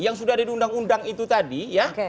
yang sudah diundang undang itu tadi ya